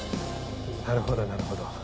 なるほどなるほど。